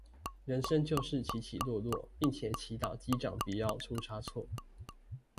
人生就是起起落落，並且祈禱機長不要出差錯